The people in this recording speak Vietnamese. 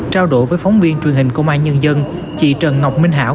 trao đổi với phóng viên truyền hình công an nhân dân chị trần ngọc minh hảo